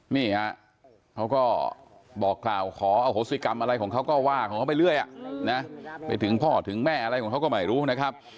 มีอุปถาปเขาก็บอกขอคำที่กลับอะไรอยู่ก็ว่าพอถุงพ่อถึงแม่อะไรก็ไม่รู้นะครับ